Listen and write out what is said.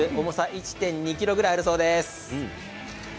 １．２ｋｇぐらいあるそうです。